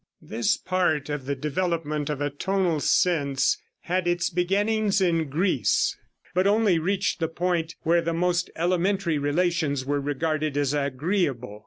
This part of the development of a tonal sense had its beginnings in Greece, but only reached the point where the most elementary relations were regarded as agreeable.